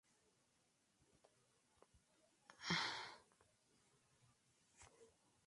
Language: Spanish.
Primo del ex alcalde de Rancagua, Fidel Cerda Lavalle.